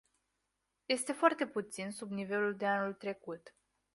Este foarte puțin sub nivelul de anul trecut.